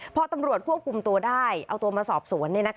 พอตำรวจควบคุมตัวได้เอาตัวมาสอบสวน